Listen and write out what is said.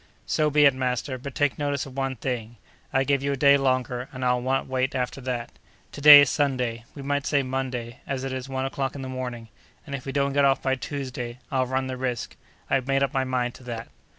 "So be it, master; but take notice of one thing: I give you a day longer, and I'll not wait after that. To day is Sunday; we might say Monday, as it is one o'clock in the morning, and if we don't get off by Tuesday, I'll run the risk. I've made up my mind to that!"